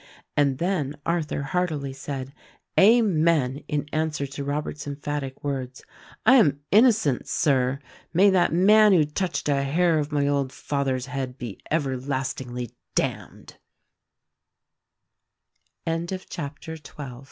And then Arthur heartily said "Amen!" in answer to Robert's emphatic words: "I am innocent, Sir. May that man who touched a hair of my old father's head be ever last